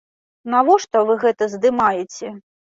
Навошта вы гэта здымаеце?